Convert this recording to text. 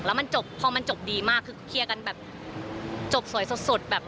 แล้วมันจบพอมันจบดีมากคือเคลียร์กันแบบจบสวยสดแบบ